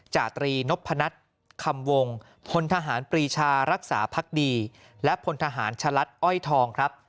จาตรีนพนัทคำวงพลทหารปรีชารักษาพักดีและพลทหารชะลัดอ้อยทองครับ